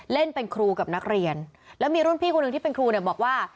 เล่นเป็นครูกับนักเรียนแล้วมีรุ่นพี่คนหนึ่งที่เป็นครูเนี่ยบอกว่า